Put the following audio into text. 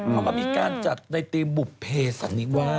เขาก็มีการจัดในธีมบุภเพสันนิวาส